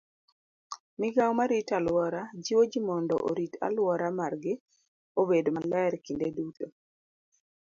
Migao marito aluora jiwo ji mondo orit alwora margi obed maler kinde duto.